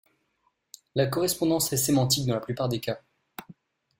La correspondance est sémantique dans la plupart des cas.